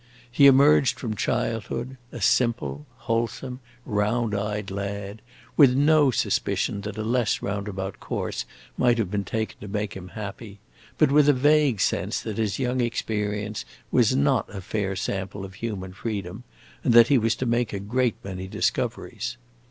He emerged from childhood a simple, wholesome, round eyed lad, with no suspicion that a less roundabout course might have been taken to make him happy, but with a vague sense that his young experience was not a fair sample of human freedom, and that he was to make a great many discoveries.